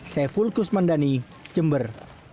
saya fulkus mandani jember